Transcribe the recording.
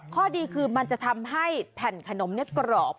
ข้อดีคือมันจะทำให้แผ่นขนมกรอบ